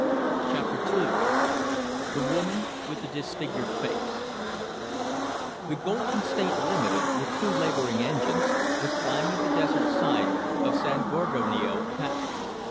Chapter II The Woman with the Disfigured Face The Golden State Limited, with two laboring engines, was climbing the desert side of San Gorgonio Pass.